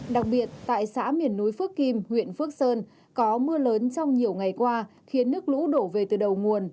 đặc biệt tại xã miền núi phước kim huyện phước sơn có mưa lớn trong nhiều ngày qua khiến nước lũ đổ về từ đầu nguồn